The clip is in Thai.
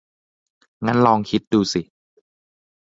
งั้นลองคิดดูสิ